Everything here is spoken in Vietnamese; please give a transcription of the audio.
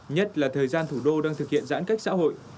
nhất là thời gian thủ đô đang thực hiện giãn cách xã hội